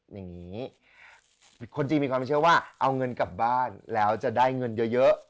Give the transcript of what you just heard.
อย่างนี้คนจีนมีความเชื่อว่าเอาเงินกลับบ้านแล้วจะได้เงินเยอะ